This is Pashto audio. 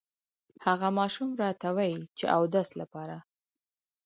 هغه ماشوم راته ووې چې اودس لپاره